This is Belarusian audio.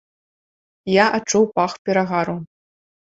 Я адчуў пах перагару.